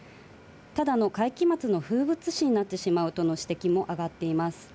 ただの会期末の風物詩になってしまうとの指摘もあがっています。